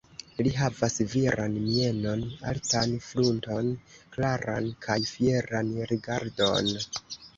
Li havas viran mienon, altan frunton, klaran kaj fieran rigardon.